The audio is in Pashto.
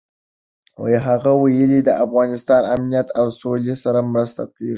هغه ویلي، د افغانستان امنیت او سولې سره مرسته کېږي.